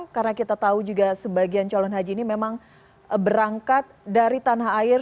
karena kita tahu juga sebagian calon haji ini memang berangkat dari tanah air